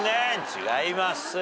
違います。